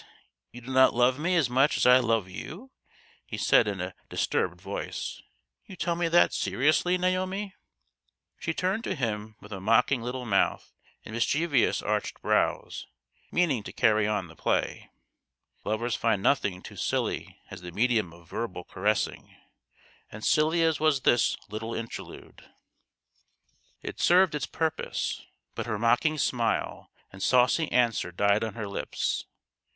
you do not love me as much as I love you?" he said in a disturbed voice. " You tell me that seriously, Naomi ?" She turned to him with a mocking little mouth and mischievous arched brows, meaning to carry on the play. Lovers find nothing too silly as the medium of verbal caressing ; and silly as was this little interlude, it served its THE GHOST OF THE PAST. 157 purpose. But her mocking smile and saucy answer died on her lips.